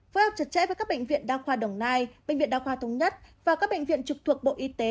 phối hợp chặt chẽ với các bệnh viện đa khoa đồng nai bệnh viện đa khoa thống nhất và các bệnh viện trực thuộc bộ y tế